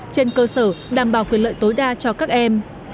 trên cơ sở đảm bảo quyền lợi tối đa cho các em